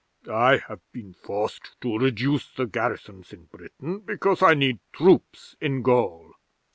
'"I have been forced to reduce the garrisons in Britain, because I need troops in Gaul.